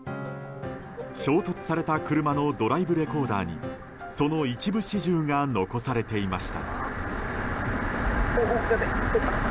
衝突された車のドライブレコーダーにその一部始終が残されていました。